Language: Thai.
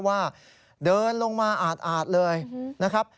ว่าเดินลงมาอาดเลยนะครับ